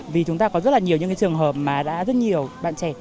vì chúng ta có rất là nhiều những trường hợp mà đã rất nhiều bạn trẻ